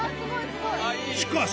しかし。